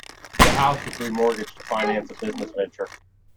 The house was re-mortgaged to finance a business venture.